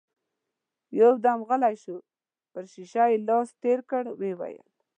يودم غلی شو، پر شيشه يې لاس تېر کړ، ويې ويل: